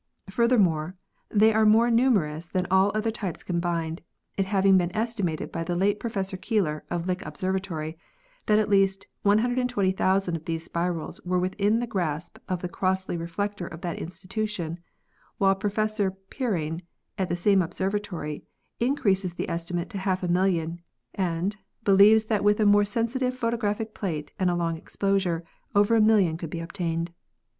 Furthermore, they are more numer ous than all other types combined, it having been estimated by the late Professor Keeler, of Lick Observatory, that at least 120,000 of these spirals were within the grasp of the Crossley reflector of that institution, while Professor Per rine, at the same observatory, increases the estimate to half a million and believes that with a more sensitive pho tographic plate and a long exposure over a million could be obtained.